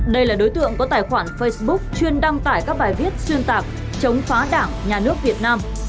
đây là đối tượng có tài khoản facebook chuyên đăng tải các bài viết xuyên tạc chống phá đảng nhà nước việt nam